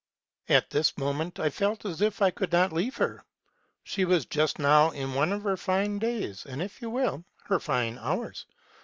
MEISTER'S TRAVELS. 245 " At this moment I felt as if I could not leave her. She was just now in one of her fine clays, or, if you will, her fine hours.